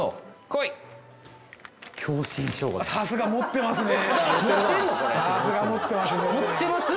これさすが持ってますね